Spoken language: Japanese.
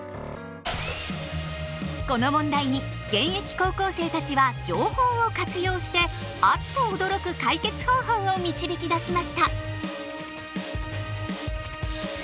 この問題に現役高校生たちは情報を活用してあっと驚く解決方法を導き出しました。